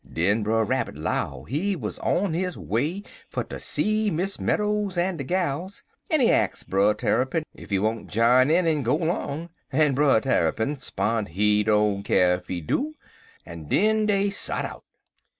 Den Brer Rabbit 'low he wuz on his way fer ter see Miss Meadows en de gals, en he ax Brer Tarrypin ef he won't jine in en go long, en Brer Tarrypin 'spon' he don't keer ef he do, en den dey sot out.